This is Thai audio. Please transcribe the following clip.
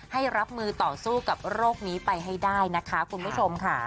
รับมือต่อสู้กับโรคนี้ไปให้ได้นะคะคุณผู้ชมค่ะ